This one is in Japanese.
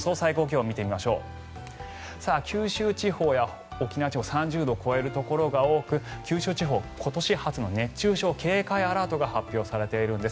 九州地方や沖縄地方３０度を超えるところが多く九州地方、今年初の熱中症警戒アラートが発表されているんです。